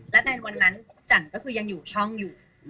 และในวันนั้นจันทร์ก็คือยังอยู่ช่องอยู่